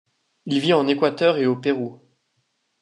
Il vit en Équateur et au Pérou.